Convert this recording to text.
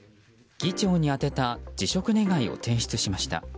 議長に宛てた辞職願を提出しました。